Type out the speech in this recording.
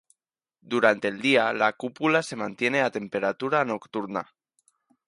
Durante el día, la cúpula se mantiene a temperatura nocturna.